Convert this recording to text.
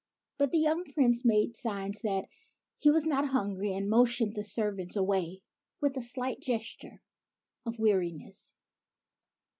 But the young Prince made signs that he was not hungry, and motioned the servants away with a slight gesture of weariness.